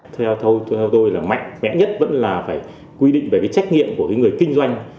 theo tôi mạnh mẽ nhất vẫn là phải quy định về trách nhiệm của người kinh doanh